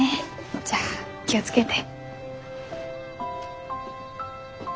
じゃあ気を付けて。